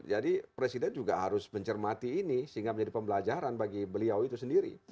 presiden juga harus mencermati ini sehingga menjadi pembelajaran bagi beliau itu sendiri